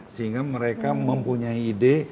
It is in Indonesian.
sehingga mereka mempunyai ide